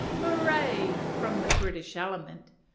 "Hooray!" (from the British element).